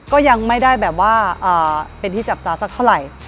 ก็ยังไม่ได้แบบว่าเป็นที่จับตาสักเท่าไหร่